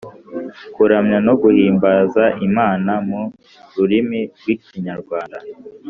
kuramya no guhimbaza Imana mu rurimi rw'Ikinyarwanda